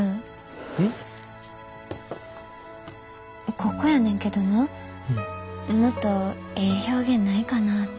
ここやねんけどなもっとええ表現ないかなって。